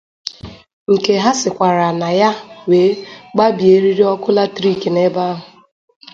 nke ha sikwara na ya wee gbabie eriri ọkụ latiriiki n'ebe ahụ.